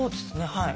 はい。